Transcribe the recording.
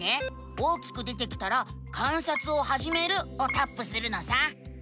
大きく出てきたら「観察をはじめる」をタップするのさ！